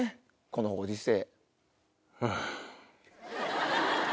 このご時世。